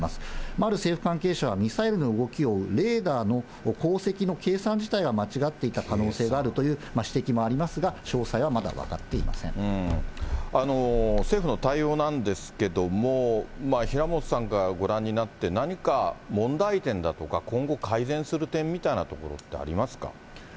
ある政府関係者はミサイルの動きをレーダーの航跡の計算自体は間違っていた可能性があるという指摘もありますが、詳細はまだ分か政府の対応なんですけれども、平本さんからご覧になって、何か問題点だとか、今後、改善する点みたいなところってありますか？